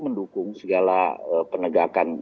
mendukung segala penegakan